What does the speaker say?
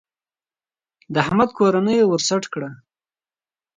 د احمد کورنۍ يې ور سټ کړه.